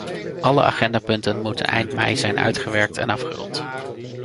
Alle agendapunten moeten eind mei zijn uitgewerkt en afgerond.